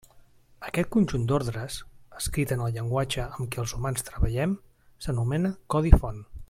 Aquest conjunt d'ordres, escrit en el llenguatge amb què els humans treballem, s'anomena codi font.